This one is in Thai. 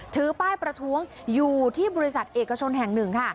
ถือป้ายประท้วงอยู่ที่บริษัทเอกชนแห่งหนึ่งค่ะ